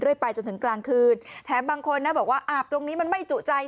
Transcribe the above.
ไปจนถึงกลางคืนแถมบางคนนะบอกว่าอาบตรงนี้มันไม่จุใจ